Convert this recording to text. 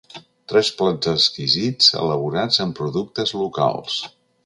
Tres plats exquisits elaborats amb productes locals.